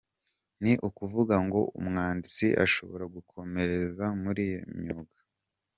Ni ukuvuga ngo uwatsinda ashobora gukomereza muri iyo myuga.